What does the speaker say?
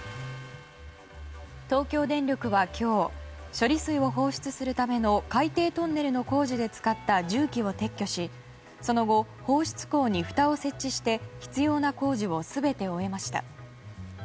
東京電力は今日処理水を放出するための海底トンネルの工事で使った重機を撤去しその後、放出口にふたを設置して必要な工事を全て終えました。